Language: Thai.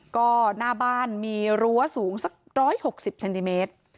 ก็หน้าบ้านมีรัวสูงสักร้อยหกสิบเซนติเมตร